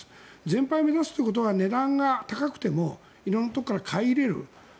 全廃を目指すということは値段が高くても色んなところから買い入れる。